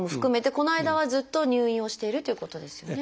この間はずっと入院をしているということですよね。